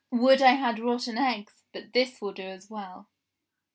Would I had rotten eggs ; but this will do as well."